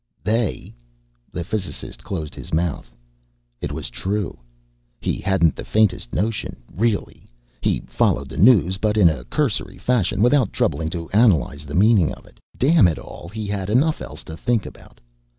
"They " The physicist closed his mouth. It was true he hadn't the faintest notion, really. He followed the news, but in a cursory fashion, without troubling to analyze the meaning of it. Damn it all, he had enough else to think about.